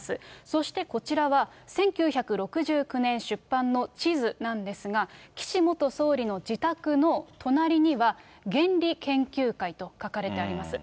そしてこちらは、１９６９年出版の地図なんですが、岸元総理の自宅の隣には原理研究会と書かれてあります。